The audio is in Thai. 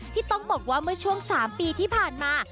ที่ต้องบอกว่าเมื่อช่วง๓ปีที่ผ่านมา